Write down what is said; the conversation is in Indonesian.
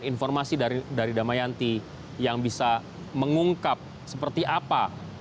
dan informasi dari damayanti yang bisa mengungkap seperti apa